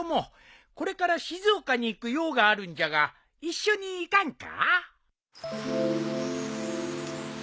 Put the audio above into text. これから静岡に行く用があるんじゃが一緒に行かんか？